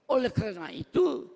oleh karena itu